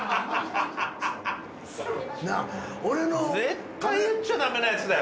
絶対言っちゃダメなやつだよ。